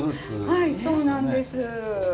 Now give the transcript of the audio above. はいそうなんです。